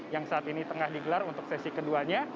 yang saat ini tengah digelar untuk sesi keduanya